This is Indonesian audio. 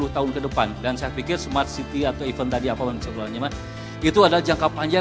tahun kedepan dan saya pikir smart city atau event tadi apa yang sebelahnya itu adalah jangka panjang